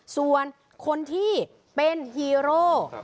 ส่วนคนที่เป็นฮีโร่